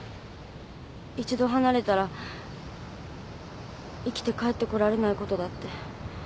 一度離れたら生きて帰ってこられないことだって。